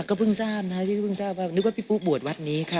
ก็เพิ่งทราบนะครับนึกว่าพี่ปู๊ตบวชวัดนี้ค่ะ